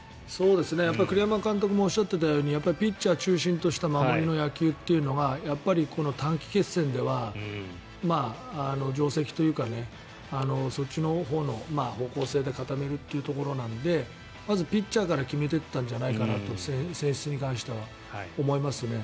栗山監督もおっしゃっていたようにピッチャー中心とした守りの野球というのが短期決戦では定石というかそっちのほうの方向性で固めるというところなのでまずピッチャーから決めていったんじゃないかなと選出に関しては、思いますね。